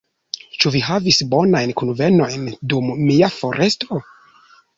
Ĉu vi havis bonajn kunvenojn dum mia foresto?